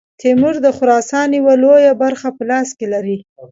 تیمور د خراسان یوه لویه برخه په لاس کې لري.